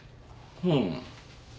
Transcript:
うん。